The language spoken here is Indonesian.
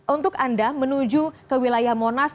untuk anda menuju ke wilayah monas